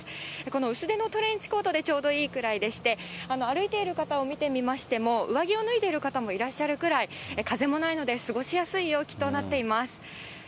この薄手のトレンチコートでちょうどいいくらいで、歩いている方を見ましても、上着を脱いでいる方もいらっしゃるくらい、風もないので、過ごしやすい陽気となっています。